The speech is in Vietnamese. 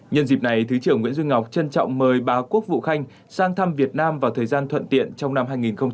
nhân dịp này thứ trưởng nguyễn duy ngọc trân trọng mời bà quốc vụ khanh sang thăm việt nam vào thời gian thuận tiện trong năm hai nghìn hai mươi